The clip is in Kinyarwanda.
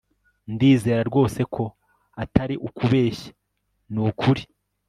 ndizera rwose ko atari ukubeshya ni ukuri